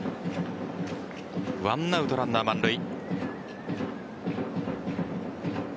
１アウトランナー満塁。